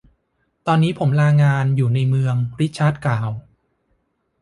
ตอนนี้ผมลางานอยู่ในเมือง ริชาร์ดกล่าว